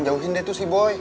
jauhin deh tuh si boy